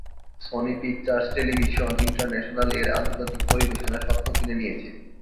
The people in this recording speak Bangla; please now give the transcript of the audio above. সোনি পিকচার্স টেলিভিশন ইন্টারন্যাশনাল এর আন্তর্জাতিক পরিবেশনা স্বত্ত্ব কিনে নিয়েছে।